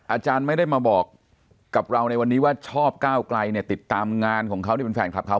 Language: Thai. อาจารย์ไม่ได้มาบอกกับเราในวันนี้ว่าชอบก้าวไกลเนี่ยติดตามงานของเขาที่เป็นแฟนคลับเขา